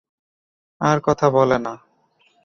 আর কথা বলে না।